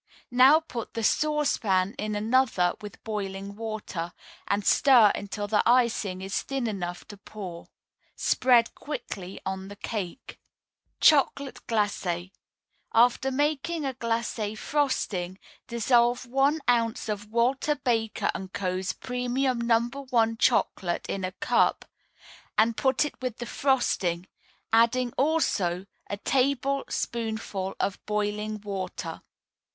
Now put the saucepan in another with boiling water, and stir until the icing is thin enough to pour. Spread quickly on the cake. CHOCOLATE GLACÉ After making a glacé frosting, dissolve one ounce of Walter Baker & Co.'s Premium No. 1 Chocolate in a cup, and put it with the frosting, adding also a tablespoonful of boiling water.